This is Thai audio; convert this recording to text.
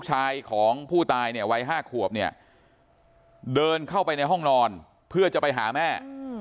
ชายของผู้ตายเนี่ยวัย๕ขวบเนี่ยเดินเข้าไปในห้องนอนเพื่อจะไปหาแม่